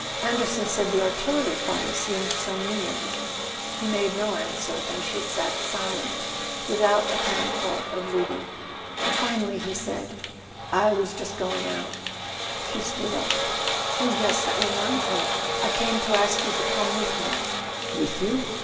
Anderson said the artillery fire seemed so near." He made no answer, and she sat silent, without ap¬ parent thought of leaving. Finally he said: "I was just going out " She stood up. "Oh, yes—that reminds me. I came to ask you to come with me." "With you